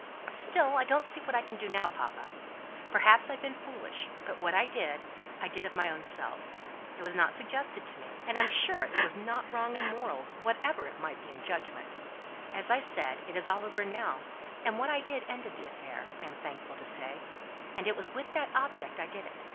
"Still, I don't see what I can do now, papa. Perhaps I've been foolish; but what I did, I did of my own self. It was not suggested to me. And I'm sure it was not wrong in morals, whatever it might be in judgment. As I said, it's all over now; what I did ended the affair, I am thankful to say; and it was with that object I did it.